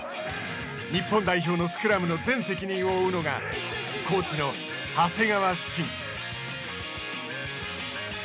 日本代表のスクラムの全責任を負うのがコーチの長谷川慎。